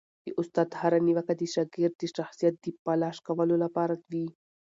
د استاد هره نیوکه د شاګرد د شخصیت د پالش کولو لپاره وي.